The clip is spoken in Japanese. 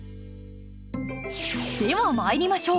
では参りましょう。